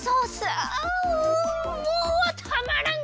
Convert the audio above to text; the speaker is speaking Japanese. あもうたまらん！